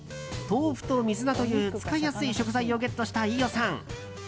豆腐と水菜という使いやすい食材をゲットした飯尾さん。